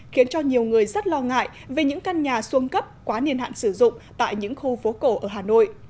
khiến cho nhiều người rất lo ngại về những căn nhà xuân cấp quá niên hạn sử dụng tại những khu phố cổ ở hà nội